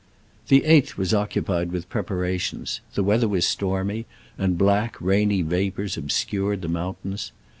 The 8th was occupied with prepara tions. The weather was stormy, and black, rainy vapors obscured the moun tains.